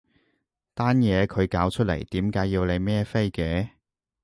單嘢佢搞出嚟，點解要你孭飛嘅？